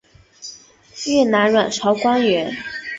越南阮朝官员。